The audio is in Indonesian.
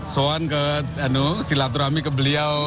soan ke silaturahmi ke beliau